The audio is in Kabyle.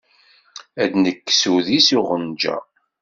Ad d-nekkes udi s uɣenǧa.